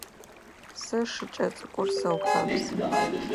Сэ шыкӏэ цӏыкӏур сэукъэбзы.